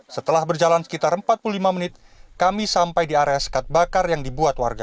setelah berjalan sekitar empat puluh lima menit kami sampai di area sekat bakar yang dibuat warga